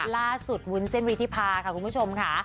ล่าสุดวุ้นเส้นวิธีพาค่ะคุณผู้ชมค่ะ